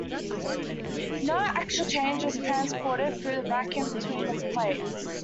No actual charge is transported through the vacuum between its plates.